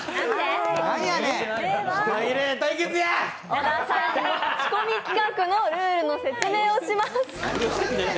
小田さん、持ち込み企画のルールの説明をします。